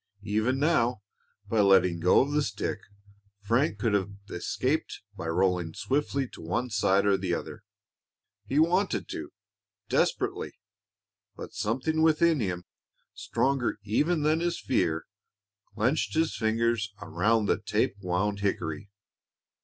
Even now, by letting go the stick, Frank could have escaped by rolling swiftly to one side or the other. He wanted to desperately; but something within him stronger even than his fear clenched his fingers around the tape wound hickory.